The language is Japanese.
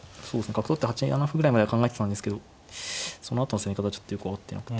角取って８七歩ぐらいまでは考えてたんですけどそのあとの攻め方ちょっとよく分かってなくて。